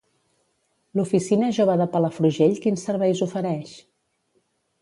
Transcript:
L'oficina jove de Palafrugell quins serveis ofereix?